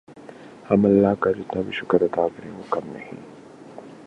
ہم اللہ کا جتنا بھی شکر ادا کریں وہ کم ہے